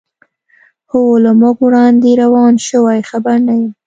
هو، له موږ وړاندې روان شوي، خبر نه یم.